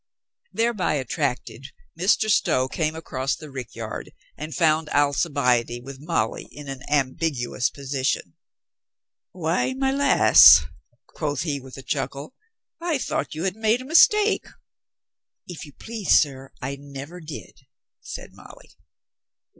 Thereby attracted, Mr. Stow came across the rick yard and found Alcibiade with Molly in an ambigu ous position. "Why, my lass," quoth he with a chuckle, "I thought you had made a mistake." "If you please, sir, I neyer did," said Molly.